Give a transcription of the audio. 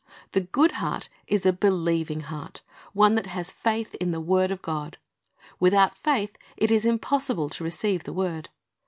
The good heart is a beheving heart, one that has faith in the word of God. Without faith it is impossible to receiv^e the word.